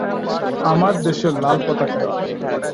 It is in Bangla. আমার দেশের লাল পতাকায়